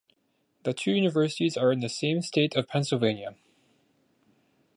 The two universities are in the same state of Pennsylvania.